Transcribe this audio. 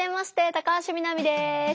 高橋みなみです。